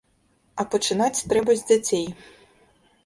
А пачынаць трэба з дзяцей.